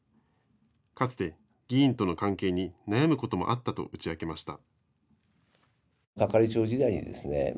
かつて議員との関係に悩むこともあったと打ち明けました。